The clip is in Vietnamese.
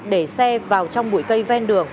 để xe vào trong bụi cây ven đường